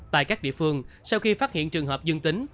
tại các địa phương sau khi phát hiện trường hợp dương tính